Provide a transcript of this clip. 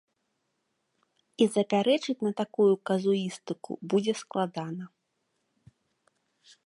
І запярэчыць на такую казуістыку будзе складана.